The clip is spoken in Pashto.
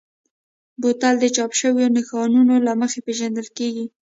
بوتل د چاپ شویو نښانونو له مخې پېژندل کېږي.